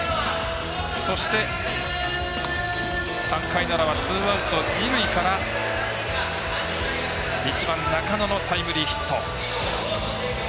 そして、３回の裏はツーアウト、二塁から１番、中野のタイムリーヒット。